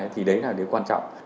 thì đấy là điều quan trọng